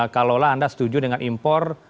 kalau anda setuju dengan impor